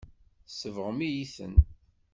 Tsebɣem-iyi-ten.